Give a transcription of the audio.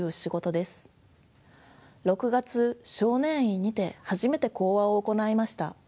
６月少年院にて初めて講話を行いました。